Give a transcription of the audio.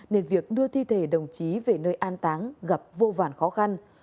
nên việc đưa thi thể đồng chí về nơi an táng gặp vô vàn khó khăn